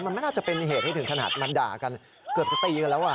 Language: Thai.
มันไม่น่าจะเป็นเหตุให้ถึงขนาดมาด่ากันเกือบจะตีกันแล้ว